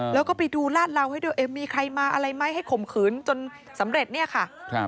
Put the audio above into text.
แล้วก็ไปดูลาดเหลาให้ด้วยมีใครมาอะไรไหมให้ข่มขืนจนสำเร็จเนี่ยค่ะ